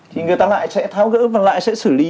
thì người ta lại sẽ tháo gỡ và lại sẽ xử lý